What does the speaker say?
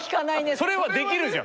それはできるじゃん！